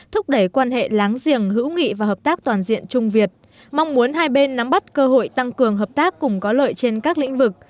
thúc đẩy quan hệ láng giềng hữu nghị và hợp tác toàn diện trung việt mong muốn hai bên nắm bắt cơ hội tăng cường hợp tác cùng có lợi trên các lĩnh vực